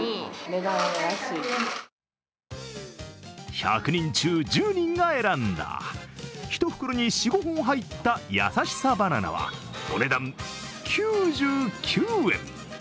１００人中１０人が選んだ１袋に４５本入ったやさしさバナナは、お値段９９円。